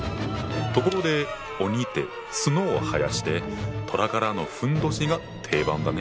ところで鬼って角を生やしてとら柄のふんどしが定番だね。